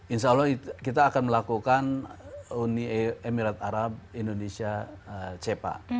insya allah kita akan melakukan uni emirat arab indonesia cepa